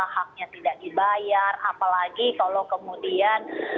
haknya tidak dibayar apalagi kalau kemudian